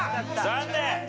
残念。